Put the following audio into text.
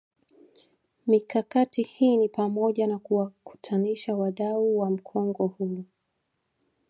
Mikakati hii ni pamoja na kuwakutanisha wadau wa mkongo huu